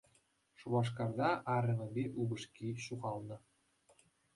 Шупашкарта арӑмӗпе упӑшки ҫухалнӑ.